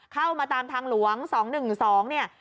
เข้ามาตามทางหลวง๒๑๒เนี่ย